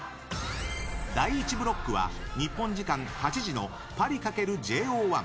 第１ブロックは日本時間８時のパリ×ＪＯ１！